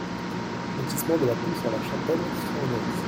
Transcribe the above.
Lotissement de la Touche à La Chapelle-Craonnaise